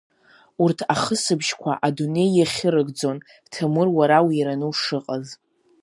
Урҭ ахысбыжьқәа адунеи иахьырыгӡон, Ҭемыр, уара уираны ушыҟаз!